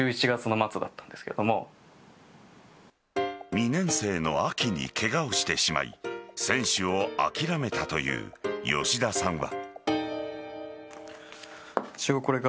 ２年生の秋にケガをしてしまい選手を諦めたという吉田さんは。